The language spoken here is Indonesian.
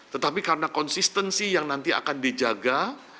tetapi karena konsistensi yang nanti akan dijaga